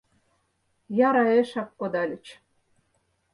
Яраэшак кодальыч.